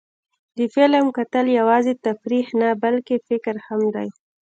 د فلم کتل یوازې تفریح نه، بلکې فکر هم دی.